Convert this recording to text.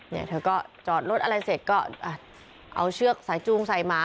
เนี่ยเธอก็จอดรถอะไรเสร็จก็เอาเชือกสายจูงใส่หมา